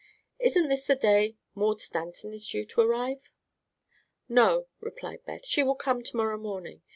"Isn't this the day Maud Stanton is due to arrive?" "No," replied Beth; "she will come to morrow morning.